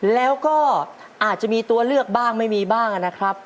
แล้วก็อาจจะมีตัวเลือกบ้างไม่มีบ้างนะครับ